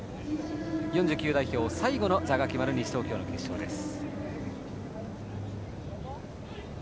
４９代表、最後の座が決まる西東京の決勝です。